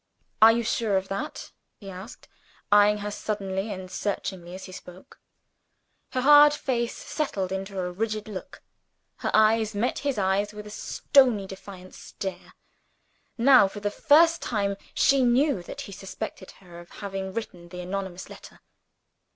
"Are you sure of that?" he asked eying her suddenly and searchingly as he spoke. Her hard face settled into a rigid look; her eyes met his eyes with a stony defiant stare. Now, for the first time, she knew that he suspected her of having written the anonymous letter.